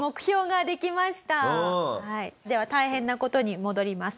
では大変な事に戻ります。